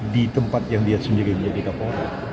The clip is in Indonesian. di tempat yang dia sendiri menjadi kapolri